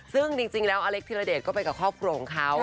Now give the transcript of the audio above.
ซึ่งจริงแล้วอเล็กธิรเดชก็ไปกับครอบครัวของเขา